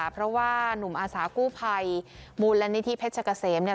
เพราะว่านุ่มอาสากู้ภัยมูลนิธิเพชรเกษมเนี่ย